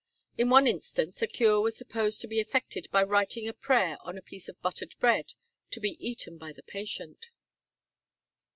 In one instance a cure was supposed to be effected by writing a prayer on a piece of buttered bread to be eaten by the patient.